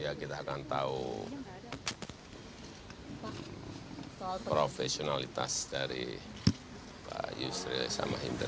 ya kita akan tahu profesionalitas dari pak yusril sama hindra